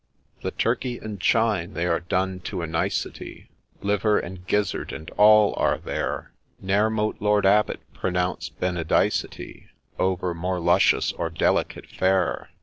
The turkey and chine, they are done to a nicety ; Liver, and gizzard, and all are there ; Ne'er mote Lord Abbot pronounce Benedicitt Over more luscious or delicate fare.